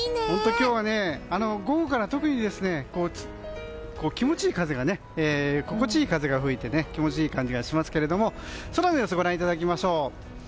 今日は特に午後から気持ちいい風が心地いい風が吹いて気持ちいい感じがしますけれども空の様子ご覧いただきましょう。